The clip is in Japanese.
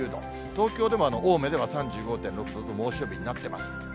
東京でも青梅では３５．６度と猛暑日になっています。